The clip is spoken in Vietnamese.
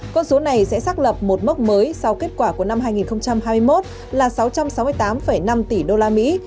con số này sẽ xác lập một mốc mới sau kết quả của năm hai nghìn hai mươi một là sáu trăm sáu mươi tám năm tỷ usd